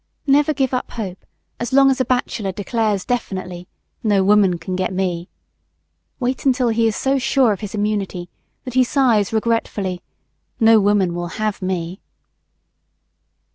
Never give up hope as long as a bachelor declares definitely, "No woman can get me!" Wait until he is so sure of his immunity that he sighs regretfully, "No woman will have me!"